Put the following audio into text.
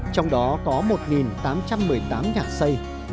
trong đó có một tám trăm một mươi tám nhà xây